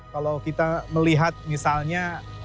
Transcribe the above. kalau kita melihat misalnya